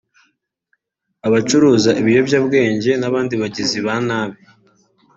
abacuruza ibiyobyabwenge n’abandi bagizi ba nabi